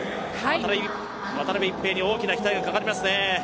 渡辺一平に大きな期待がかかりますね。